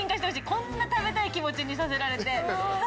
こんな食べたい気持ちにさせられて。